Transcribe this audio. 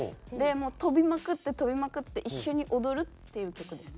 もう跳びまくって跳びまくって一緒に踊るっていう曲です。